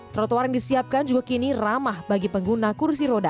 trotoar yang disiapkan juga kini ramah bagi pengguna kursi roda